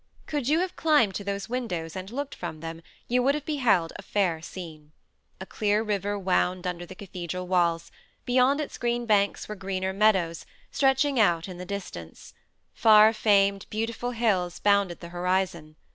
Could you have climbed to those windows, and looked from them, you would have beheld a fair scene. A clear river wound under the cathedral walls; beyond its green banks were greener meadows, stretching out in the distance; far famed, beautiful hills bounded the horizon.